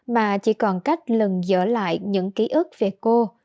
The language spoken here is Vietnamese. mà chỉ còn cách lần dở lại những ký ức về cô